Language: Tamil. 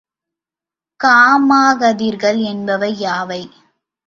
காமாகதிர்கள் என்பவை யாவை?